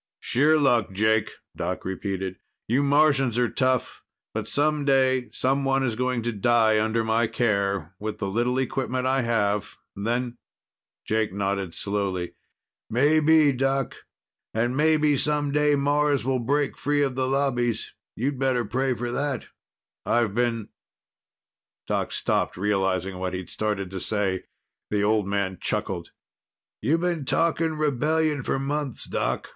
"Sheer luck, Jake," Doc repeated. "You Martians are tough. But some day someone is going to die under my care, with the little equipment I have. Then " Jake nodded slowly. "Maybe, Doc. And maybe some day Mars will break free of the Lobbies. You'd better pray for that." "I've been " Doc stopped, realizing what he'd started to say. The old man chuckled. "You've been talking rebellion for months, Doc.